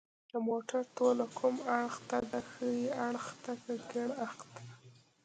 د موټر توله کوم اړخ ته ده ښي اړخ که کیڼ اړخ ته